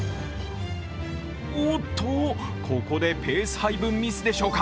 おっと、ここでペース配分ミスでしょうか？